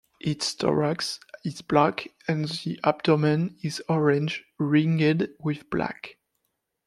Its thorax is black and the abdomen is orange ringed with black.